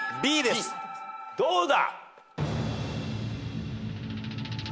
どうだ！？